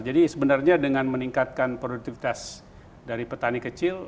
jadi sebenarnya dengan meningkatkan produktivitas dari petani kecil